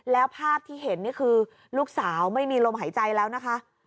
แล้วภาพที่เห็นนี่คือลูกสาวไม่มีลมหายใจแล้วนะคะ